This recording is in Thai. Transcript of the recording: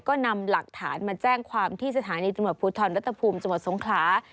ก็นำหลักฐานมาแจ้งความที่สถานีตำรวจภูทรรัฐภูมิจังหวัดสงขลา